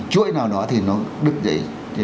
chuỗi nào đó thì nó được